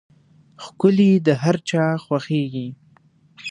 ښکلي د هر چا خوښېږي.